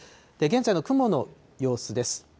現在の雲の様子です。